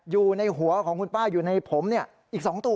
อยู่ในหัวของคุณป้าอยู่ในผมอีก๒ตัว